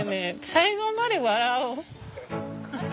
最後まで笑おう。